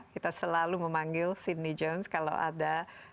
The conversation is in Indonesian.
kita selalu memanggil sidney jones kalau ada